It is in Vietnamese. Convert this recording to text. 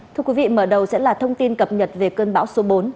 thưa quý vị mở đầu sẽ là thông tin cập nhật về cơn bão số bốn